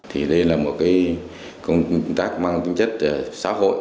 thì đây là một công tác mang tính chất xã hội